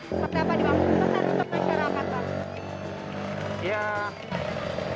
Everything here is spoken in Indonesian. seperti apa dimaksud pesan untuk masyarakat pak